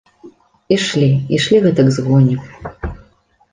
Ішлі, ішлі гэтак з гоні.